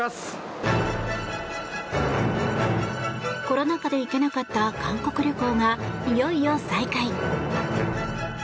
コロナ禍で行けなかった韓国旅行がいよいよ再開。